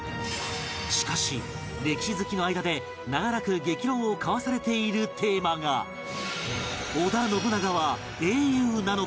しかし歴史好きの間で長らく激論を交わされているテーマが織田信長は英雄なのか？